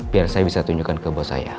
biar saya bisa tunjukkan ke bos saya